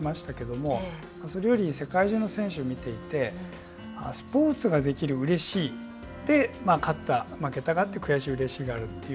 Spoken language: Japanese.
今回大活躍しましたけれどもそれより世界中の選手を見ていてスポーツができるうれしいって勝った負けたがあって悔しいうれしいがあるという